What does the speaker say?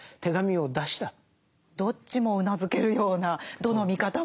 どっちもうなずけるようなどの見方も。